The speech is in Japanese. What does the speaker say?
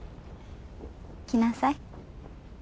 来なさい。